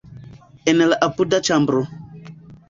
En la apuda ĉambro.